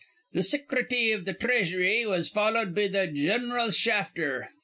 "Th' Sicrety iv th' Threasury was followed be th' Gin'ral Shafter.